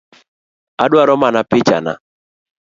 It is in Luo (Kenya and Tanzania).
Adwaro mana picha na